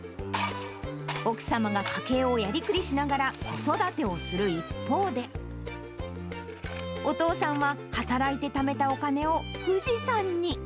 奥様が家計をやりくりしながら子育てをする一方で、お父さんは、働いてためたお金を富士山に。